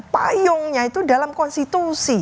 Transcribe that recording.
payungnya itu dalam konstitusi